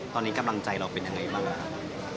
ตอนนี้กำลังใจเราเป็นยังไงบ้างครับ